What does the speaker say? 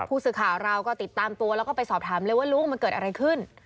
ผู้สื่อข่าวเราก็ติดตามตัวแล้วก็ไปสอบถามเลยว่าลูกมันเกิดอะไรขึ้น